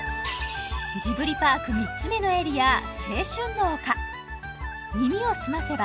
ジブリパーク３つ目のエリア青春の丘「耳をすませば」